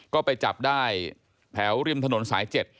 ก็ไปจับได้แถวริมถนนสาย๗